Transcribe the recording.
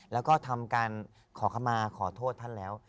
แล้วก็ทำการขอขมาขอโทษท่านแล้ว